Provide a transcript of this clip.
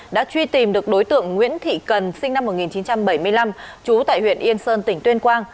đã truy tìm được đối tượng nguyễn thị cần sinh năm một nghìn chín trăm bảy mươi năm trú tại huyện yên sơn tỉnh tuyên quang